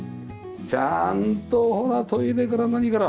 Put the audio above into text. ちゃんとほらトイレから何から。